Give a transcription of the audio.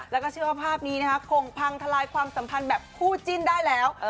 แล้วก็เชื่อว่าภาพนี้นะคะคงพังทลายความสัมพันธ์แบบคู่จิ้นได้แล้ว